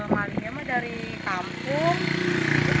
malinya dari kampung